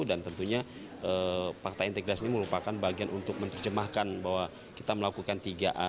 dan tentunya fakta integritas ini merupakan bagian untuk menerjemahkan bahwa kita melakukan tiga a